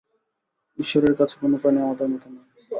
ঈশ্বরের কাছে কোন প্রাণী আমাদের মতো নয়।